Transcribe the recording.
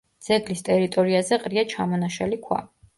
ძეგლის ტერიტორიაზე ყრია ჩამონაშალი ქვა.